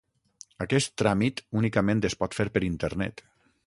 Aquest tràmit únicament es pot fer per internet.